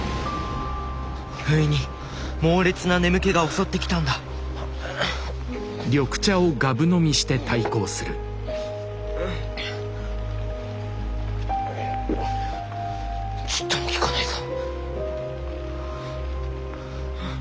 ふいに猛烈な眠気が襲ってきたんだちっともきかないぞ！